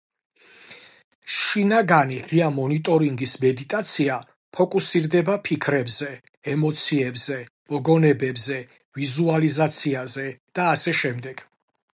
შინაგანი ღია მონიტორინგის მედიტაცია ფოკუსირდება ფიქრებზე, ემოციებზე, მოგონებებზე, ვიზუალიზაციაზე და ასე შემდეგ.